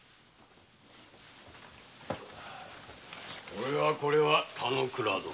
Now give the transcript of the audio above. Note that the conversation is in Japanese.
これはこれは田之倉殿。